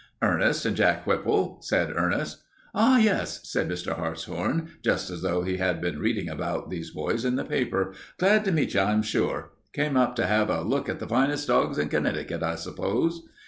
"Ernest and Jack Whipple," said Ernest. "Ah, yes," said Mr. Hartshorn, just as though he had been reading about these boys in the paper. "Glad to meet you, I'm sure. Came up to have a look at the finest dogs in Connecticut, I suppose."